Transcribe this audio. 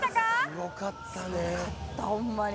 すごかったホンマに。